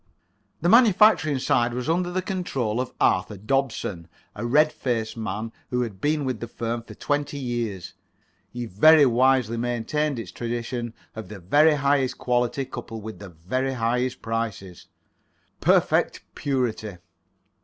The manufacturing side was under the control of Arthur Dobson, a red faced man who had been with the firm for twenty years. He very wisely maintained its tradition of the very highest quality coupled with the very highest prices. "Perfect Purity."